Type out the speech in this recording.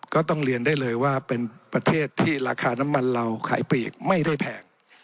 ก็ต้องเรียนได้เลยว่าเป็นประเทศที่ราคาน้ำมันเราขายปลีกไม่ได้แพง